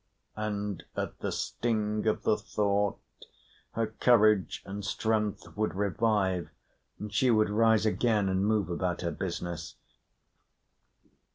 And at the sting of the thought her courage and strength would revive, and she would rise again and move about her business.